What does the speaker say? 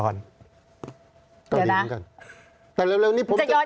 ก็ดีนั้นกัน